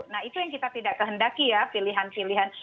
nah itu yang kita tidak kehendaki ya pilihan pilihan